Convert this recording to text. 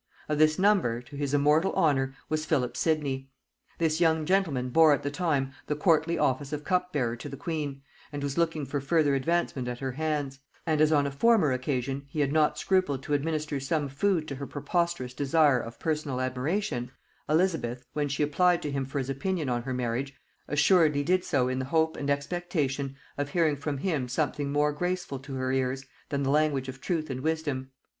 Of this number, to his immortal honor, was Philip Sidney. This young gentleman bore at the time the courtly office of cup bearer to the queen, and was looking for further advancement at her hands; and as on a former occasion he had not scrupled to administer some food to her preposterous desire of personal admiration, Elizabeth, when she applied to him for his opinion on her marriage, assuredly did so in the hope and expectation of hearing from him something more graceful to her ears than the language of truth and wisdom.